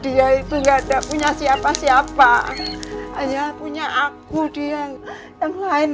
dia itu nggak ada punya siapa siapa hanya punya aku di yang yang lain